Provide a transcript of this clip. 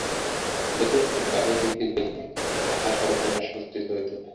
লোকের কাছে বাহির হইতে গেলে তাঁহার সর্বনাশ উপস্থিত হইত।